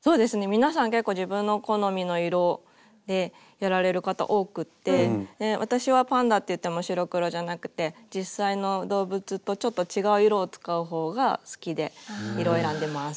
皆さん結構自分の好みの色でやられる方多くって私はパンダっていっても白黒じゃなくて実際の動物とちょっと違う色を使うほうが好きで色選んでます。